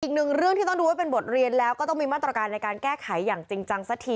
อีกหนึ่งเรื่องที่ต้องดูไว้เป็นบทเรียนแล้วก็ต้องมีมาตรการในการแก้ไขอย่างจริงจังสักที